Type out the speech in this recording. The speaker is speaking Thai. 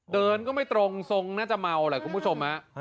เดินก็ไม่ตรงทรงน่าจะเมาแหละคุณผู้ชมฮะ